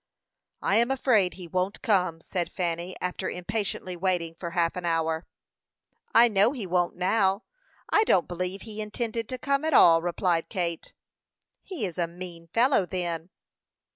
"I am afraid he won't come," said Fanny, after impatiently waiting for half an hour. "I know he won't now. I don't believe he intended to come at all," replied Kate. "He is a mean fellow, then."